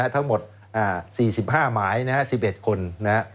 ทั้งหมด๔๕หมาย๑๑คน